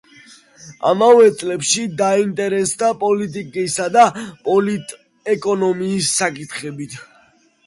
ამავე წლებში დაინტერესდა პოლიტიკისა და პოლიტეკონომიის საკითხებით.